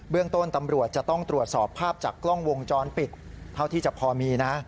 เรื่องต้นตำรวจจะต้องตรวจสอบภาพจากกล้องวงจรปิดเท่าที่จะพอมีนะ